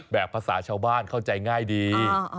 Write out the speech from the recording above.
ภาษาชาวบ้านเข้าใจง่ายดี